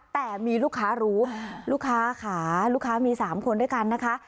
แต่มีลูกค้ารู้ลูกค้าค่ะลูกค้ามี๓คนด้วยกันนะคะ